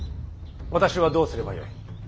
私はどうすればよい。